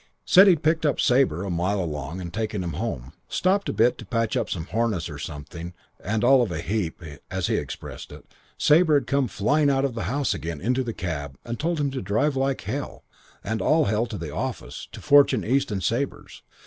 Said he'd picked up Sabre a mile along and taken him home. Stopped a bit to patch up some harness or something and 'All of a heap' (as he expressed it) Sabre had come flying out of the house again into the cab and told him to drive like hell and all to the office to Fortune, East and Sabre's.